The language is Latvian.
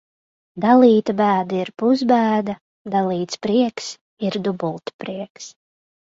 Dalīta bēda ir pusbēda, dalīts prieks ir dubultprieks.